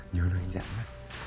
nhớ nó anh dạ